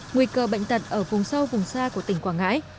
nguy cơ bệnh tận ở vùng sâu vùng xa của tỉnh quảng ngãi